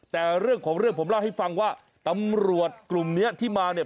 แต่เรื่องของเรื่องผมเล่าให้ฟังว่าตำรวจกลุ่มเนี้ยที่มาเนี่ย